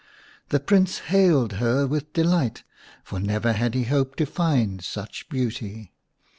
/ The Prince hailed her with delight, for never /had he hoped to find such beauty.